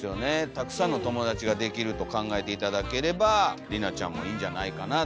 たくさんの友達ができると考えて頂ければりなちゃんもいいんじゃないかなと。